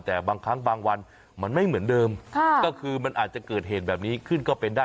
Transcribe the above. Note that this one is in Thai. แต่บางครั้งบางวันมันไม่เหมือนเดิมก็คือมันอาจจะเกิดเหตุแบบนี้ขึ้นก็เป็นได้